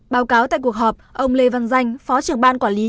báo cáo tại cuộc họp ông lê văn danh phó trưởng ban quản lý